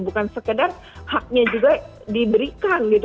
bukan sekedar haknya juga diberikan gitu